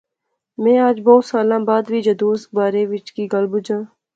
میں اج بہوں سال بعد وی جدوں اس بارے وچ کی گل بجاں